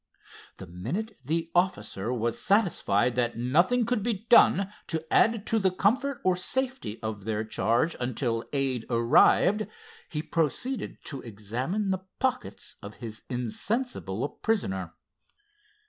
The minute the officer was satisfied that nothing could be done to add to the comfort or safety of their charge until aid arrived, he proceeded to examine the pockets of his insensible prisoner.